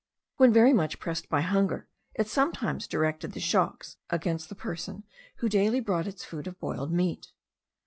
When very much pressed by hunger, it sometimes directed the shocks against the person who daily brought its food of boiled meat.